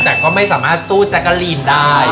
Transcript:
แต่ก็ไม่สามารถสู้แจ๊กกะลีนได้